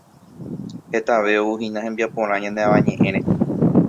Hetave ouhína hembiaporã ñane Avañeʼẽre.